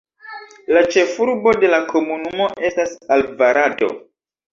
La ĉefurbo de la komunumo estas Alvarado.